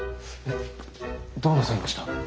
どうなさいました？